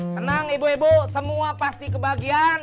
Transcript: tenang ibu ibu semua pasti kebagian